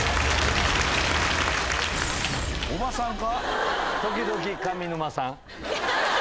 おばさんか？